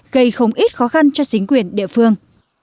gây không ít khó khăn cho chính quyền địa phương